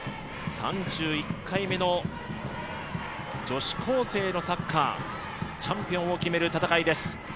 ３１回目の女子高生のサッカー、チャンピオンを決める戦いです。